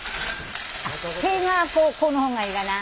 手がこの方がいいかな。